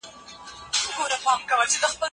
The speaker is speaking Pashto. توماس لومړی د ځان لپاره لیکل کول.